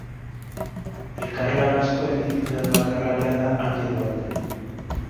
Elkarlan asko egin dituen bakarlaria da Anje Duhalde.